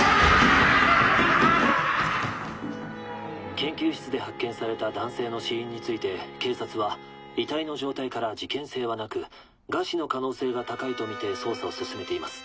「研究室で発見された男性の死因について警察は遺体の状態から事件性はなく餓死の可能性が高いと見て捜査を進めています。